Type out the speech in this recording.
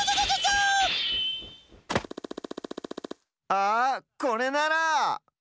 あこれなら！